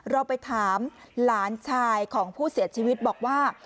เราไปถามหลานชายของผู้เสียชีวิตบอกว่า